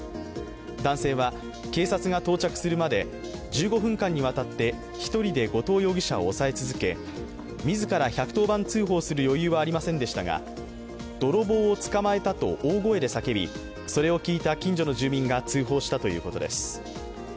男性は警察が到着するまで１５分間にわたって一人で後藤容疑者を押さえ続け、自ら１１０番通報する余裕はありませんでしたが泥棒を捕まえたと大声で叫びそれを聞いた近所の住民が通報したということです。